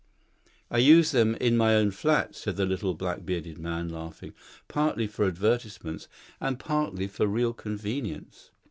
"I use them in my own flat," said the little black bearded man, laughing, "partly for advertisements, and partly for real convenience.